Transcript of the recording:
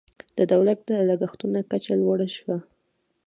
د دولت لګښتونو کچه لوړه شوه.